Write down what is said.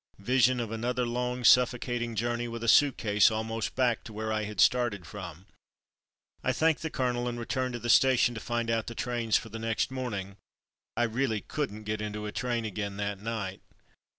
(Vision of another long, suffocating journey with a suit case, almost back to where I had started from.) I thanked the colonel and returned to the station to find out the trains for next morning. I really couldn't get into a train again that night.